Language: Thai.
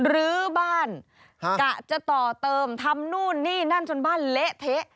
ลื้อบ้านกะจะต่อเติมทำนู่นนี่นั่นจนบ้านเละเทะ